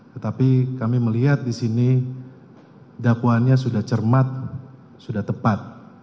tetapi kami melihat di sini dakwaannya sudah cermat sudah tepat